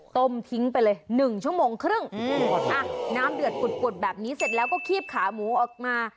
ต้มทิ้งไปเลย๑ชั่วโมงครึ่งอ่ะน้ำเดือดกุดแบบนี้เสร็จแล้วก็คีบขาหมูออกมา